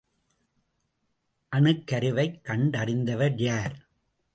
அணுக்கருவைக் கண்டறிந்தவர் யார்?